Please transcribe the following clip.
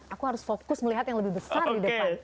aku harus fokus melihat yang lebih besar di depan